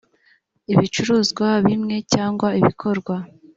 ibicuruzwa bimwe cyangwa ibikorwa